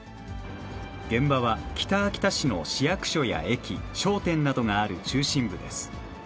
現場は、北秋田市の市役所や駅、商店などがある中心部です。